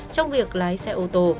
trong việc lái xe ô tô